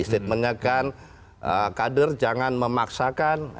statementnya kan kader jangan memaksakan